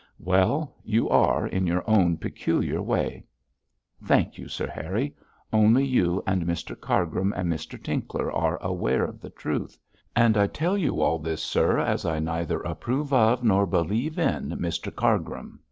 'Well, you are, in your own peculiar way.' 'Thank you, Sir Harry. Only you and Mr Cargrim and Mr Tinkler are aware of the truth, and I tell you all this, sir, as I neither approve of, nor believe in, Mr Cargrim.